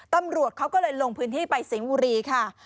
ตำรวจเขาก็เลยลงพื้นที่ไปสิงห์บุรีค่ะ